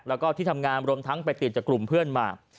แล้วก็ที่ทำงานรวมทั้งไปติดจากกลุ่มเพื่อนมา